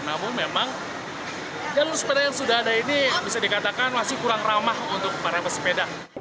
namun memang jalur sepeda yang sudah ada ini bisa dikatakan masih kurang ramah untuk para pesepeda